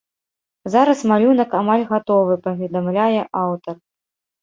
Зараз малюнак амаль гатовы, паведамляе аўтар.